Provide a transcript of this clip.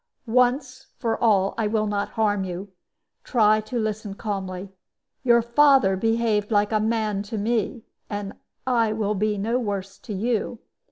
Once for all, I will not harm you. Try to listen calmly. Your father behaved like a man to me, and I will be no worse to you.